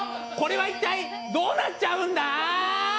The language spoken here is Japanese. これはいったいどうなっちゃうんだ？